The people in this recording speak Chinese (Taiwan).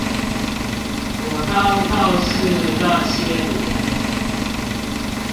我當道士那些年